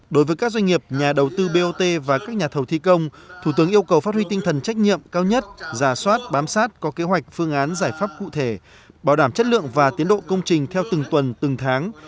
đối với các doanh nghiệp nhà đầu tư bot và các nhà thầu thi công thủ tướng yêu cầu phát huy tinh thần trách nhiệm cao nhất giả soát bám sát có kế hoạch phương án giải pháp cụ thể bảo đảm chất lượng và tiến độ công trình theo từng tuần từng tháng